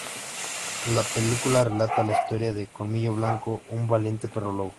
La película relata la historia de Colmillo Blanco, un valiente perro lobo.